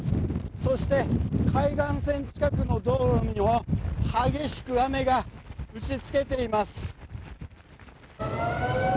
そして、海岸線近くの道路には激しく雨が打ちつけています。